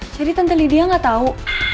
jadi tante lydia gak tau